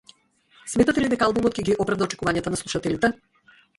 Сметате ли дека албумот ќе ги оправда очекувањата на слушателите?